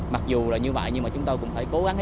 mặc dù là như vậy nhưng mà chúng tôi cũng phải cố gắng